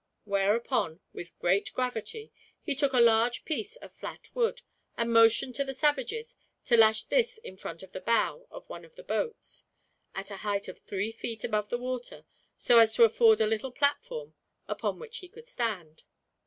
Whereupon, with great gravity he took a large piece of flat wood, and motioned to the savages to lash this in front of the bow of one of the boats, at a height of three feet above the water, so as to afford a little platform upon which he could stand.